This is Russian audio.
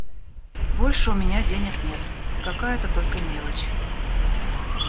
Больше у меня денег нет, какая-то только мелочь.